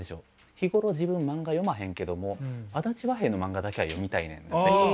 「日頃自分漫画読まへんけども足立和平の漫画だけは読みたいねん」だったりとか。